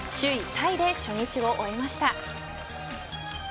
タイで初日を終えました。